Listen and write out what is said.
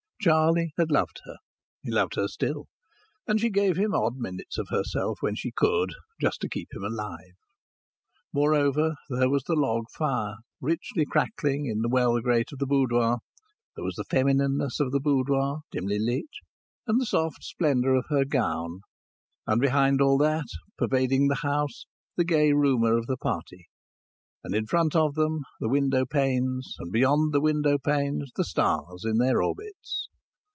Charlie had loved her; he loved her still; and she gave him odd minutes of herself when she could, just to keep him alive. Moreover, there was the log fire richly crackling in the well grate of the boudoir; there was the feminineness of the boudoir (dimly lit), and the soft splendour of her gown, and behind all that, pervading the house, the gay rumour of the party. And in front of them the window panes, and beyond the window panes the stars in their orbits.